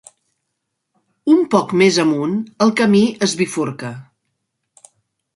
Un poc més amunt, el camí es bifurca.